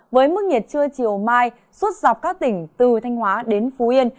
với mức nhiệt trưa chiều mai suốt dọc các tỉnh từ thanh hóa đến phú yên